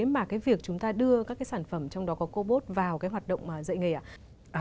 mà cái việc chúng ta đưa các cái sản phẩm trong đó có cô bốt vào cái hoạt động dạy nghề ạ